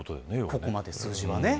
ここまで、数字はね。